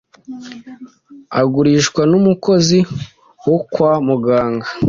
agurishwa n'umukozi wo kwa muganga,